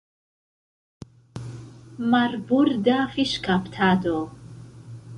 Marborda fiŝkaptado.